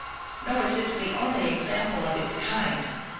Nor is this the only example of its kind.